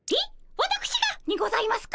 わたくしがにございますか？